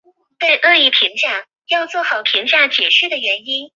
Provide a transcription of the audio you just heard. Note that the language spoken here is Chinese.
有时也被称为意涵更广泛的表达自由。